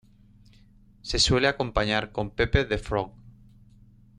Se suele acompañar con Pepe the Frog.